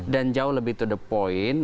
dan jauh lebih to the point